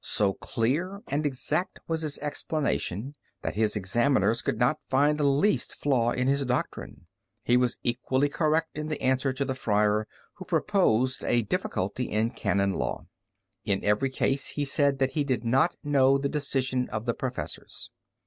So clear and exact was his explanation that his examiners could not find the least flaw in his doctrine. He was equally correct in the answer to the friar who proposed a difficulty in Canon Law. In every case he said that he did not know the decision of the professors.